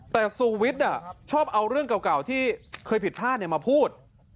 แต่สูวิทย์ชอบเอาเรื่องเก่าที่เคยผิดพลาดมาพูด